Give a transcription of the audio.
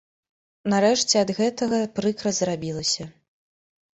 Нарэшце ад гэтага прыкра зрабілася.